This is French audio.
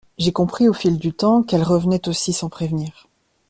J’ai compris au fil du temps qu’elles revenaient aussi sans prévenir.